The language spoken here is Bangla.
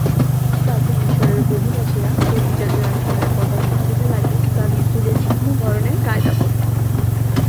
প্রাচীন মিসরের অধিবাসীরা চর্বিজাতীয় একধরনের পদার্থ চুলে লাগিয়ে তা দিয়ে চুলের বিভিন্ন ধরনের কায়দা করত।